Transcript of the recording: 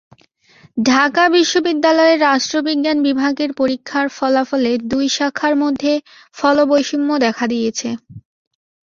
ঢাকা বিশ্ববিদ্যালয়ের রাষ্ট্রবিজ্ঞান বিভাগের পরীক্ষার ফলাফলে দুই শাখার মধ্যে ফলবৈষম্য দেখা দিয়েছে।